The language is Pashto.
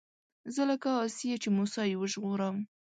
زه لکه آسيې چې موسی يې وژغوره